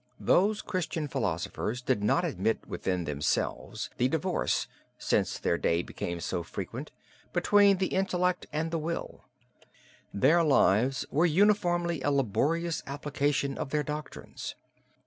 Those Christian philosophers did not admit within themselves the divorce, since their day become so frequent, between the intellect and the will; their lives were uniformly a laborious application of their doctrines.